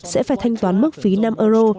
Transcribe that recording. sẽ phải thanh toán mức phí năm euro